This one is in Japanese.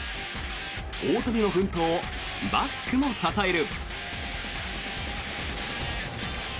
大谷の奮闘をバックも支える。